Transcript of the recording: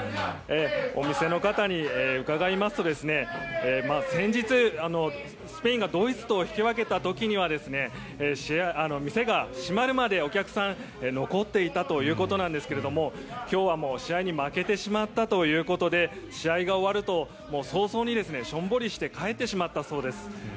お店の方に伺いますと先日、スペインがドイツと引き分けた時には店が閉まるまで、お客さん残っていたということなんですが今日はもう試合に負けてしまったということで試合が終わると早々にしょんぼりして帰ってしまったそうです。